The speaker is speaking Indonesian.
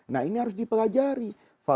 nah ini harus dipelajari